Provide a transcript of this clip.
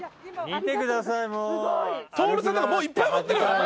見てくださいもう。